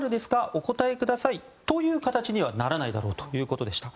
お答えくださいという形にはならないだろうということでした。